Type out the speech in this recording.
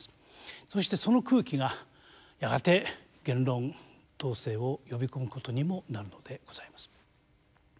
そしてその空気がやがて言論統制を呼び込むことにもなるのでございます。